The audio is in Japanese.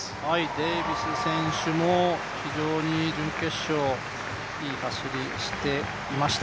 デービス選手も非常に準決勝、いい走りしていました。